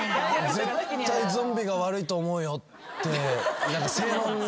絶対ゾンビが悪いと思うよって正論を言ってしまう。